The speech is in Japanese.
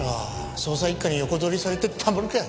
捜査一課に横取りされてたまるか。